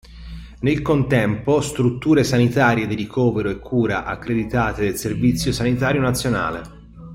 Nel contempo strutture sanitarie di ricovero e cura accreditate del servizio sanitario nazionale.